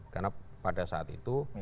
karena pada saat itu